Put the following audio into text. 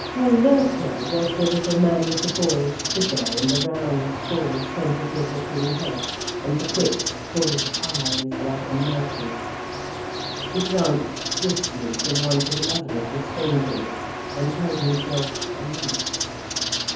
Herr Loerke was the little man with the boyish figure, and the round, full, sensitive looking head, and the quick, full eyes, like a mouse's. He glanced swiftly from one to the other of the strangers, and held himself aloof.